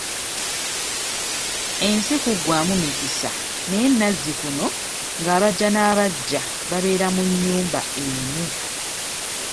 Ensi kuggwamu mikisa naye nazzikuno ng'abaggya n'abaggya babeera mu nnyumba emu.